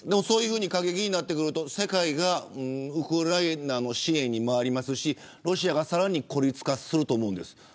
そういうふうに過激になってくると世界がウクライナの支援に回りますし、ロシアがさらに孤立化すると思うんです。